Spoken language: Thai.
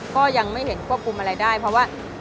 ก็ยังไม่เห็นควบคุมอะไรได้เพราะว่า